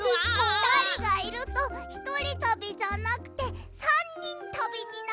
ふたりがいるとひとりたびじゃなくて３にんたびになっちゃう。